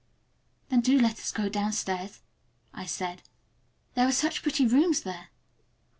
"Then do let us go downstairs," I said, "there are such pretty rooms there."